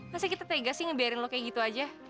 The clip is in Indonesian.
masih kita tegas sih ngebiarin lo kayak gitu aja